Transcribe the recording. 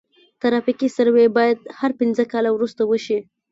ترافیکي سروې باید هر پنځه کاله وروسته وشي